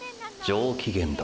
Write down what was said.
上機嫌だ